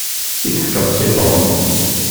I tefkeḍ-tt i Tom?